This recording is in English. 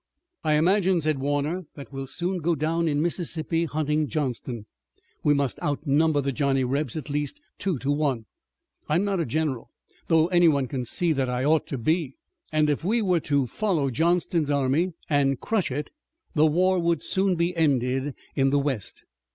"I imagine," said Warner, "that we'll soon go down in Mississippi hunting Johnston. We must outnumber the Johnny Rebs at least two to one. I'm not a general, though any one can see that I ought to be, and if we were to follow Johnston's army and crush it the war would soon be ended in the west."